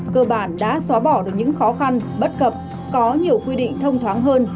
cơ bản đã xóa bỏ được những khó khăn bất cập có nhiều quy định thông thoáng hơn